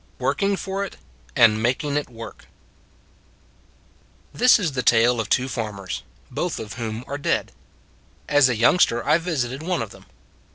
WORKING FOR IT AND MAKING IT WORK THIS is the tale of two farmers, both of whom are dead. As a youngster I visited one of them.